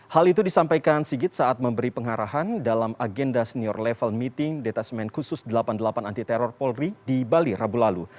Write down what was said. hal itu disampaikan sigit saat memberi pengarahan dalam agenda senior level meeting detesmen khusus delapan puluh delapan anti teror polri di bali rabu lalu